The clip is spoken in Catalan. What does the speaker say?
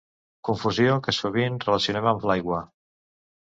Confusió que sovint relacionem amb l'aigua.